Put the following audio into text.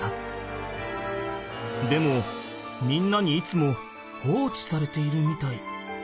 でもみんなにいつも放置されているみたい。